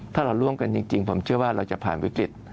ถ้าเราร่วมกันจริงผมเชื่อว่าเราจะผ่านวิกฤต